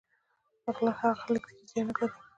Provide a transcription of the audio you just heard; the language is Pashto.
غله هغه خلک دي چې زیار نه ګالي